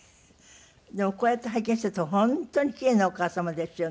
でもこうやって拝見してると本当にキレイなお母様ですよね。